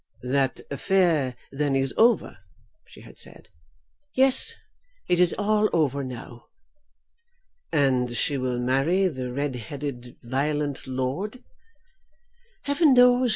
"That affair, then, is over?" she had said. "Yes; it is all over now." "And she will marry the red headed, violent lord?" "Heaven knows.